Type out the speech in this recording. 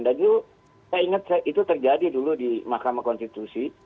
itu saya ingat itu terjadi dulu di mahkamah konstitusi